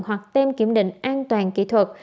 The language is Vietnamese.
hoặc tem kiểm định an toàn kỹ thuật